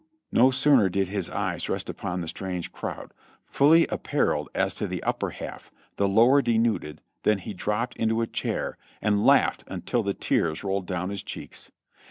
No sooner did his eyes rest upon the strange crowd, fully apparelled as to the upper half, the lower denuded, than he drop ped into a chair and laughed until the tears rolled down his cheeks.